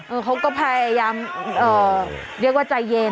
เออเขาก็พยายามเย็นว่าใจเยน